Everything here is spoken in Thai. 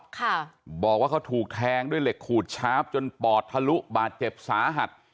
ค่ะบอกว่าเขาถูกแทงด้วยเหล็กขูดชาร์ฟจนปอดทะลุบาดเจ็บสาหัส